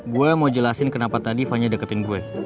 gue mau jelasin kenapa tadi fani deketin gue